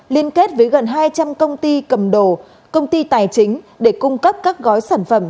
liên kết với gần hai trăm linh công ty cầm đồ công ty tài chính để cung cấp các gói sản phẩm